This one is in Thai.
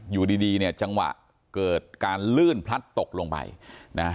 อยู่ดีดีเนี่ยจังหวะเกิดการลื่นพลัดตกลงไปนะฮะ